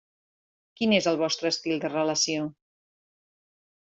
Quin és el vostre estil de relació?